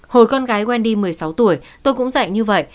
hồi con gái wendy một mươi sáu tuổi tôi cũng dạy như vậy